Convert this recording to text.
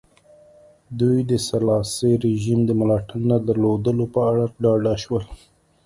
دوی د سلاسي رژیم د ملاتړ نه درلودلو په اړه ډاډه شول.